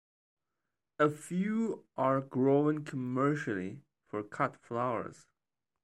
A few are grown commercially for cut flowers.